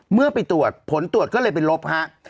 เมื่อไปตรวจผลตรวจก็เลยไปลบฮะ